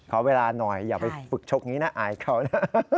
ขอเวลาหน่อยอย่าไปฝึกชกนี้นะอายเขานะ